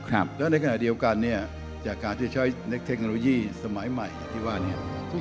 แล้วในขณะเดียวกันเนี่ยจากการที่ใช้เทคโนโลยีสมัยใหม่ที่ว่าเนี่ย